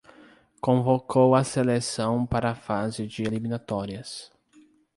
Convocou a seleção para a fase de eliminatórias